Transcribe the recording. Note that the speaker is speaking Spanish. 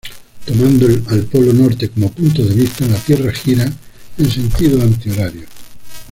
Tomando al polo norte como punto de vista, la Tierra gira en sentido antihorario.